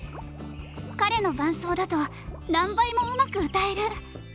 彼の伴奏だと何倍もうまく歌える。